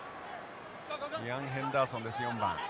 イアンヘンダーソンです４番。